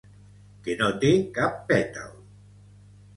Que no té cap pètal.